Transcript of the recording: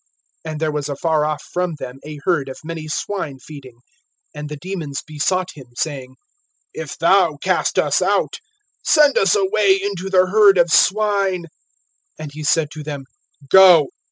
(30)And there was afar off from them a herd of many swine feeding. And the demons besought him, saying: (31)If thou cast us out, send us away into the herd of swine. (32)And he said to them, Go.